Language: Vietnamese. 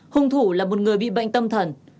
hùng thủ là một người bị bệnh tâm thần